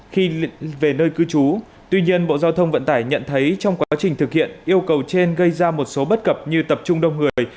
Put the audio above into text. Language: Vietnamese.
khi về nơi cư trú tuy nhiên bộ giao thông vận tải nhận thấy trong quá trình thực hiện yêu cầu trên gây ra một số bất cập như tập trung đông người